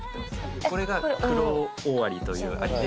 これがクロオオアリというアリで。